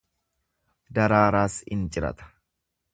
Daraaraas in cirata.